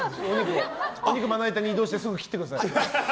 お肉、まな板に移動してすぐ切ってください。